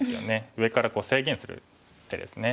上から制限する手ですね。